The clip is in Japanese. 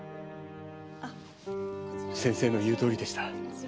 先生の言うとおりでした。